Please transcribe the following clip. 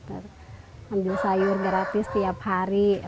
ambil sayur gratis setiap hari